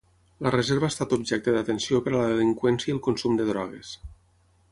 La reserva ha estat objecte d'atenció per a la delinqüència i el consum de drogues.